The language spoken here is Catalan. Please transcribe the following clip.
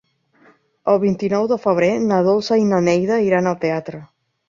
El vint-i-nou de febrer na Dolça i na Neida iran al teatre.